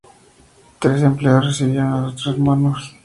Tres empleados recibieron a los tres monos.